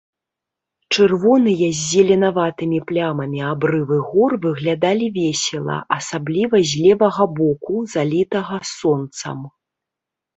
Чырвоныя з зеленаватымі плямамі абрывы гор выглядалі весела, асабліва з левага боку, залітага сонцам.